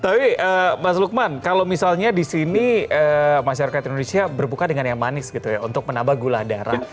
tapi mas lukman kalau misalnya di sini masyarakat indonesia berbuka dengan yang manis gitu ya untuk menambah gula darah